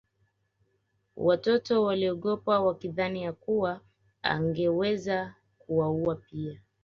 Watoto waliogopa wakidhani ya kuwa angeweza kuwaua pia